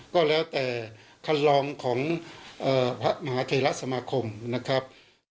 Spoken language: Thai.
ก็แล้วแต่คันลองของพระมหาเทราสมาคมนะครับ